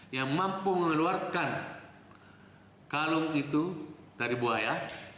yang mampu mengeluarkan kalung itu dari buaya